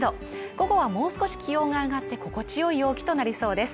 午後はもう少し気温が上がって心地よい陽気となりそうです。